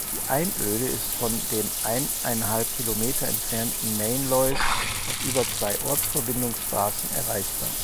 Die Einöde ist von dem eineinhalb Kilometer entfernten Mainleus aus über zwei Ortsverbindungsstraßen erreichbar.